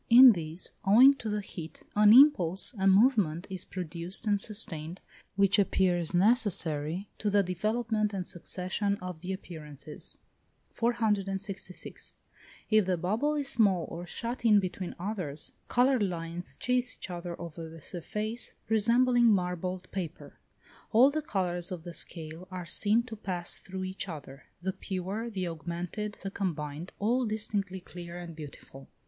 In these, owing to the heat, an impulse, a movement, is produced and sustained, which appears necessary to the development and succession of the appearances. 466. If the bubble is small, or shut in between others, coloured lines chase each other over the surface, resembling marbled paper; all the colours of the scale are seen to pass through each other; the pure, the augmented, the combined, all distinctly clear and beautiful.